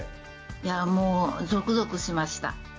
いやもう、ぞくぞくしました。